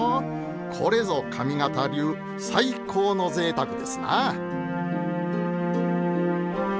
これぞ上方流最高のぜいたくですな。